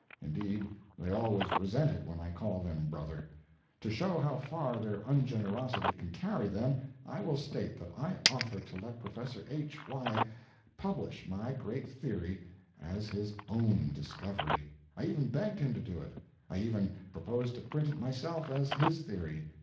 Indeed, they always resent it when I call them brother. To show how far their ungenerosity can carry them, I will state that I offered to let Prof. H y publish my great theory as his own discovery; I even begged him to do it; I even proposed to print it myself as his theory.